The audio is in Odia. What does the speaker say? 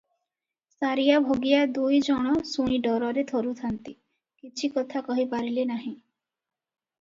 'ସାରିଆ ଭଗିଆ ଦୁଇ ଜଣ ଶୁଣି ଡରରେ ଥରୁଥାନ୍ତି, କିଛି କଥା କହିପାରିଲେ ନାହିଁ ।